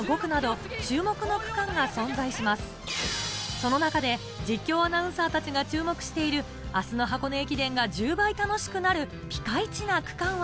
その中で、実況アナウンサーたちが注目している、あすの箱根駅伝が１０倍楽しくなるピカ位置な区間は。